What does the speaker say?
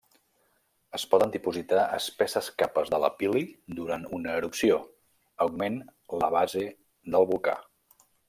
Es poden dipositar espesses capes de lapil·li durant una erupció, augment la base del volcà.